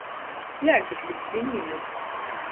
Як жа ж без свініны?